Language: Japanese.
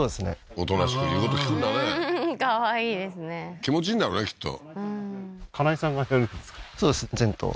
おとなしく言うこと聞くんだねかわいいですね気持ちいいんだろうねきっと全頭？